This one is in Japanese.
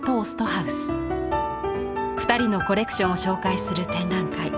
二人のコレクションを紹介する展覧会。